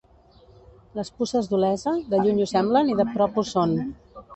Les puces d'Olesa, de lluny ho semblen i de prop ho són.